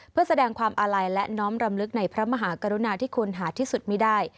เพื่อแสดงความอาลัยและน้อมรำลึกในพระมหากรุณาที่คุณหาที่สุดไม่ได้